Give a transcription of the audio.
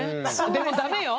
でもダメよ。